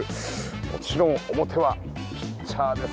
もちろん表はピッチャーです。